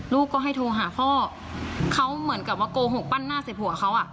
ลูกก็ให้โทรหาพ่อเขาเหมือนกับว่าโกหกปั้นหน้าสิบหัวเขาอ่ะ